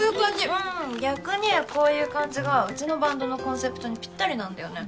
うん逆にこういう感じがうちのバンドのコンセプトにピッタリなんだよね。